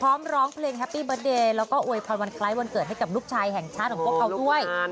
ร้องเพลงแฮปปี้เบิร์ตเดย์แล้วก็อวยพรวันคล้ายวันเกิดให้กับลูกชายแห่งชาติของพวกเขาด้วย